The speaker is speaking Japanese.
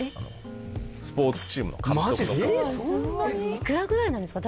いくらぐらいなんですか？